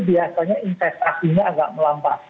biasanya investasinya agak melambat